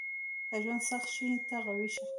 • که ژوند سخت شي، ته قوي شه.